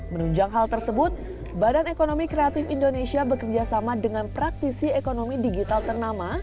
menunjang hal tersebut badan ekonomi kreatif indonesia bekerjasama dengan praktisi ekonomi digital ternama